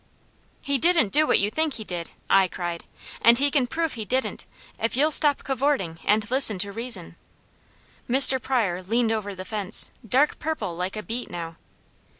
"He didn't do what you think he did," I cried, "and he can prove he didn't, if you'll stop cavorting, and listen to reason." Mr. Pryor leaned over the fence, dark purple like a beet now.